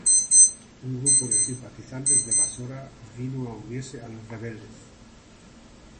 Un grupo de simpatizantes de Basora vino a unirse a los rebeldes.